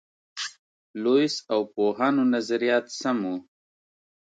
لویس او پوهانو نظریات سم وو.